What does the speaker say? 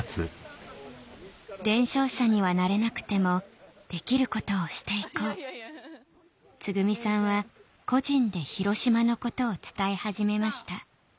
伝承者にはなれなくてもできることをしていこうつぐみさんは個人でヒロシマのことを伝え始めました